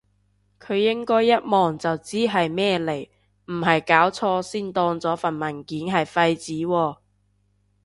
佢應該一望就知係咩嚟，唔係搞錯先當咗份文件係廢紙喎？